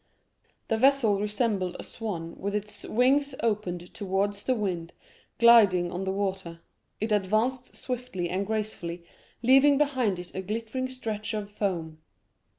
The vessel resembled a swan with its wings opened towards the wind, gliding on the water. It advanced swiftly and gracefully, leaving behind it a glittering stretch of foam.